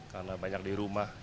karena banyak di rumah